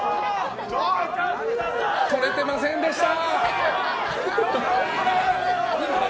撮れてませんでした。